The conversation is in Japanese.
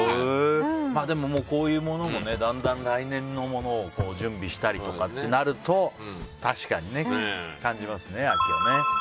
こういうものもだんだん来年のものを準備したりとかってなると確かに感じますね、秋を。